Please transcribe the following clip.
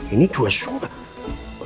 ini dua surat